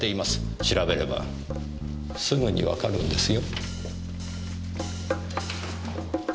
調べればすぐにわかるんですよ。